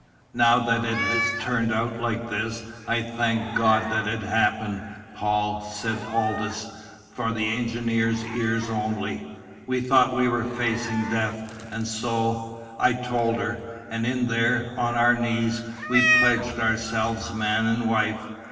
"Now that it has turned out like this I thank God that it happened, Paul," said Aldous, for the engineer's ears alone. "We thought we were facing death, and so I told her. And in there, on our knees, we pledged ourselves man and wife.